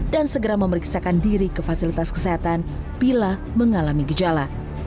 dan segera memeriksakan diri ke fasilitas kesehatan bila mengalami gejala